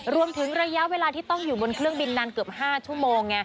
รวมถึงระยะเวลาที่ต้องอยู่บนเครื่องบินนานเกือบ๕ชั่วโมง